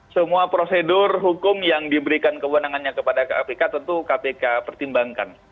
semua prosedur hukum yang diberikan kewenangannya kepada kpk tentu kpk pertimbangkan